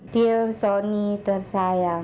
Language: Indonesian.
dear soni tersayang